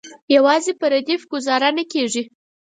یوازې په ردیف ګوزاره نه کیږي.